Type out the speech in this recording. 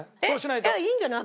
いいんじゃない？